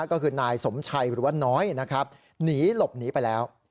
ก็คือนายสมชัยหรือว่าน้อยนะครับหนีหลบหนีไปแล้ว